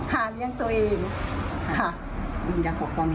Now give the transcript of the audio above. หาเนี่ยงตัวเอง